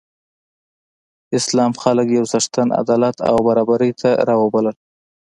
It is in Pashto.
اسلام خلک یو څښتن، عدالت او برابرۍ ته رابلل.